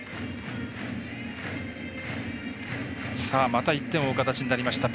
また１点を追う形になりました。